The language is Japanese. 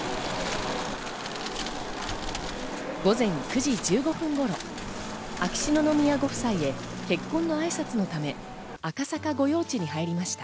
午前９時１５分頃、秋篠宮ご夫妻へ、結婚の挨拶のため赤坂御用地に入りました。